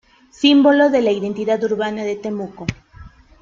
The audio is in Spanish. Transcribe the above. Símbolo de la identidad urbana de Temuco.